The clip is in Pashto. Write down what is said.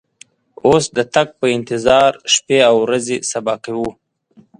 اوس د تګ په انتظار شپې او ورځې صبا کوو.